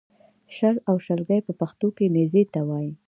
شل او شلګی په پښتو کې نېزې ته وایې